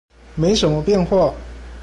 沒什麼變化